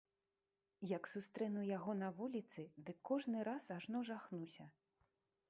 Як сустрэну яго на вуліцы, дык кожны раз ажно жахнуся.